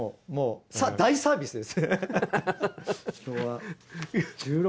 大サービスです。